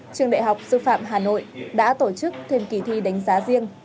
trường đại học sư phạm hà nội đã tổ chức thêm kỳ thi đánh giá riêng